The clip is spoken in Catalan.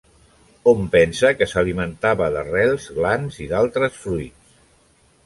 Hom pensa que s'alimentava d'arrels, glans i d'altres fruits.